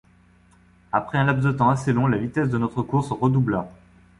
Après un laps de temps assez long, la vitesse de notre course redoubla.